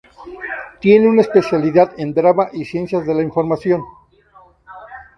Tiene una especialidad en drama y ciencias de la información.